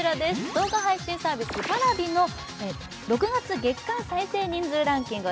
動画配信サービスＰａｒａｖｉの６月月間再生人数ランキング